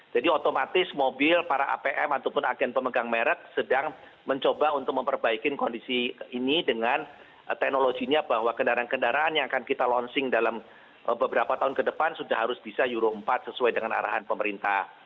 jadi otomatis mobil para apm ataupun agen pemegang merek sedang mencoba untuk memperbaikin kondisi ini dengan teknologinya bahwa kendaraan kendaraan yang akan kita launching dalam beberapa tahun ke depan sudah harus bisa euro empat sesuai dengan arahan pemerintah